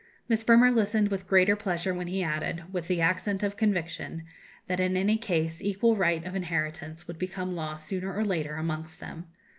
Miss Bremer listened with greater pleasure when he added, with the accent of conviction, that in any case equal right of inheritance would become law, sooner or later, amongst them.